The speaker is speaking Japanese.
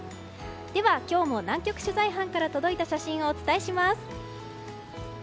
では、今日も南極取材班から届いた写真をお伝えします。